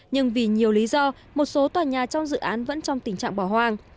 nhưng vì nhiều lý do một số tòa nhà trong dự án vẫn trong tình trạng bỏ hoang